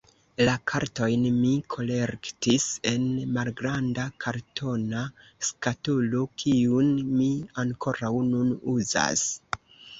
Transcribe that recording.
La kartojn mi kolektis en malgranda kartona skatolo, kiun mi ankoraŭ nun uzas.